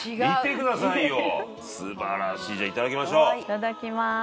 いただきます。